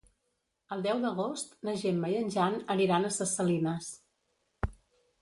El deu d'agost na Gemma i en Jan aniran a Ses Salines.